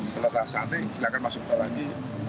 selesai saatnya silakan masuk kembali